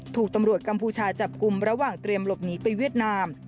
ถูกตำรวจกัมพูชาจับกลุ่มระหว่างเตรียมหลบหนีไปเวียดนาม